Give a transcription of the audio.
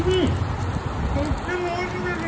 とってもおいしいです。